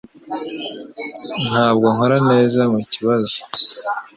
Ntabwo nkora neza mukibazo